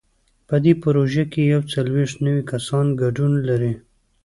په دې پروژه کې یو څلوېښت نوي کسان ګډون لري.